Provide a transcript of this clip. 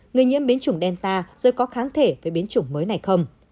người nhiễm biến chủng delta rồi có kháng thể với biến chủng mới này không